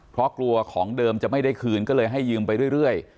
เพราะกลัวของเดิมจะไม่ได้คืนก็เลยให้ยืมไปเรื่อย